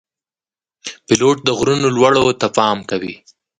پیلوټ د غرونو لوړو ته پام کوي.